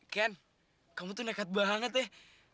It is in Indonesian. ken kamu tuh nekat banget deh